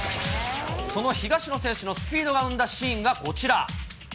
その東野選手のスピードが生んだシーンがこちら。